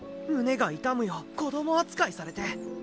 胸が痛むよ子ども扱いされて。